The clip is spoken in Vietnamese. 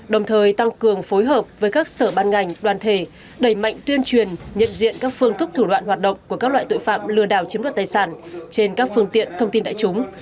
đồng thời tăng cường phối hợp với các sở ban ngành đoàn thể đẩy mạnh tuyên truyền nhận diện các phương thức thủ đoạn hoạt động của các loại tội phạm lừa đảo chiếm đoạt tài sản trên các phương tiện thông tin đại chúng